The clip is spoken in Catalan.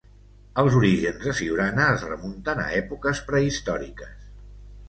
Els orígens de Siurana es remunten a èpoques prehistòriques.